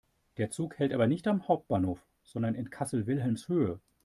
Der Zug hält aber nicht am Hauptbahnhof, sondern in Kassel-Wilhelmshöhe.